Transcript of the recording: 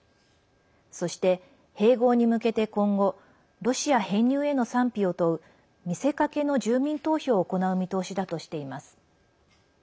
そして、併合に向けて今後ロシア編入への賛否を問う見せかけの住民投票を行う見通しだとしています。